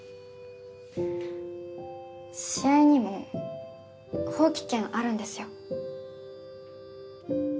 試合にも放棄権あるんですよ。